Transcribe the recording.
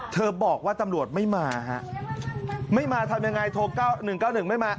เธอบอกว่าตำรวจไม่มาไม่มาทำอย่างไรโทร๑๙๑ไม่มา